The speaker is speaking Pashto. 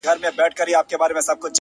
هغه به خپل زړه په ژړا وویني ـ